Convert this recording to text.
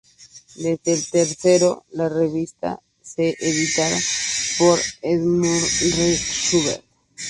Desde el tercero, la revista es editada por Edmund R. Schubert.